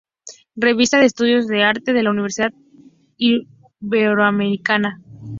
Revista de Estudios de Arte de la Universidad Iberoamericana.